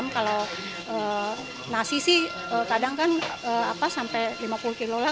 kalau nasi sih kadang kan sampai lima puluh kilo lah